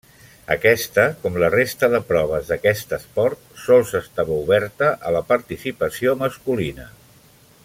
Aquesta, com la resta de proves d'aquest esport, sols estava oberta a la participació masculina.